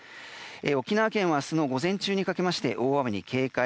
沖縄県は明日の午前中にかけまして、大雨に警戒。